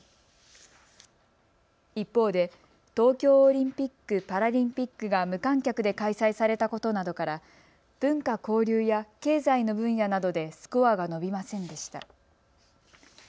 一方で東京オリンピック・パラリンピックが無観客で開催されたことなどから文化・交流や経済の分野などでスコアが伸びませんでした。